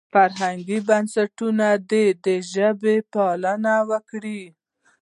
فرهنګي بنسټونه دې د ژبې پالنه وکړي.